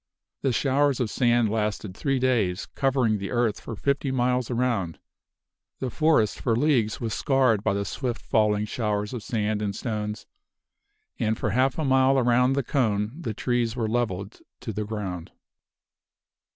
The showers of sand lasted three days, covering the earth for fifty miles around. The forest for leagues was scarred by the swift falling showers of sand and stones; and for half a mile around the cone the trees were leveled to the ground.